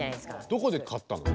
どこで買ったの？